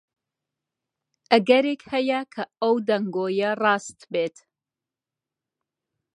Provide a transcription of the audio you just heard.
ئەگەرێک هەیە کە ئەو دەنگۆیە ڕاست بێت.